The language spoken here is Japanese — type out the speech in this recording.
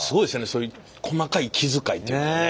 そういう細かい気遣いというかね。